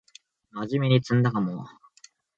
まじめに詰んだかも